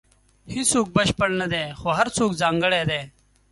• هیڅوک بشپړ نه دی، خو هر څوک ځانګړی دی.